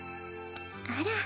あら。